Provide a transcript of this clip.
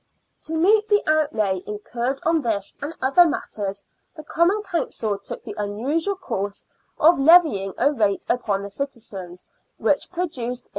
To meet the outlay incurred on this and other matters, the Common Council took the unusual course of levying a rate upon the citizens, which produced £80.